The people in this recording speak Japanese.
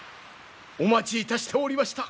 お待ちいたしておりました。